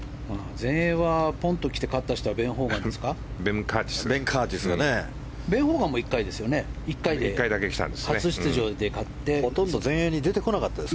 全英はポンと来て勝った人はベン・カーティスです。